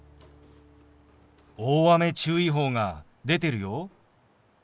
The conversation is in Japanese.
大雨注意報が出てるよ。